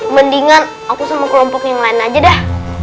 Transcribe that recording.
mendingan aku sama kelompok yang lain aja dah